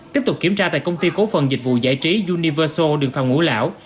tiếp tục kiểm tra tại công ty cố phần dịch vụ giải trí universal đường phòng ngũ lão